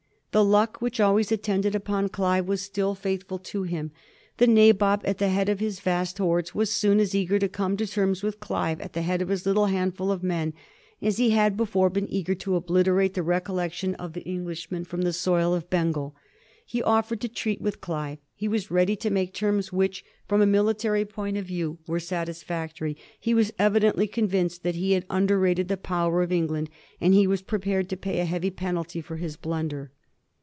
The luck which always attended upon Clive was still faithful to him. The Nabob, at the head of his vast hordes, was soon as eager to come to terms with Clive at the head of his little handful of men as he had before been eager to obliterate the recollection of the English men from the soil of Bengal. He offered to treat with Clive; he was ready to make terms which from a military point of view were satisfactory; he was evidently con vinced that he had underrated the power of England, and he was prepared to pay a heavy penalty for his blunder.